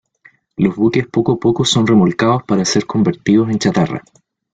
Los buques poco a poco son remolcados para ser convertidos en chatarra.